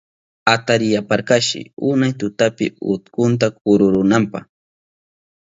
Ataripayarkashi unay tutapi utkunta kururunanpa.